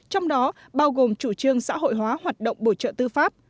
trong đó bao gồm chủ trương xã hội hóa hoạt động bổ trợ tư pháp